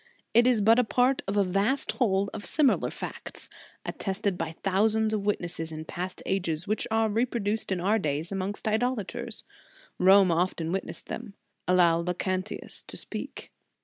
It is but a part of a vast whole of similar facts, attested by thousands of witnesses in past ages, which are repro duced in our days amongst idolaters. Rome often witnessed them. Allow Lactantius to speak.